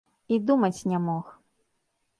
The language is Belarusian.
І думаць не мог.